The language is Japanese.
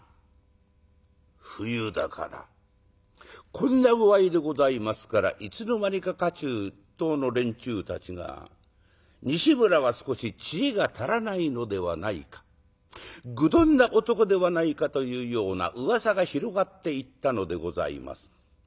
こんな具合でございますからいつの間にか家中一統の連中たちが「西村は少し知恵が足らないのではないか」「愚鈍な男ではないか」というような噂が広がっていったのでございます。